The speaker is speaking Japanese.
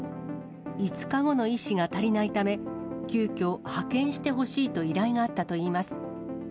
５日後の医師が足りないため、急きょ派遣してほしいと依頼があったといいます。